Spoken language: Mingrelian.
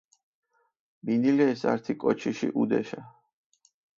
მინილეს ართი კოჩიში ჸუდეშა.